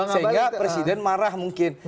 sehingga presiden marah mungkin